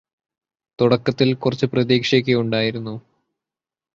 തുടക്കത്തില് കുറച്ച് പ്രതീക്ഷയൊക്കെ ഉണ്ടായിരുന്നു